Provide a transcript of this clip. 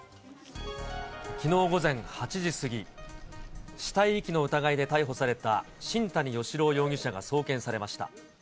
きのう午前８時過ぎ、死体遺棄の疑いで逮捕された新谷嘉朗容疑者が送検されました。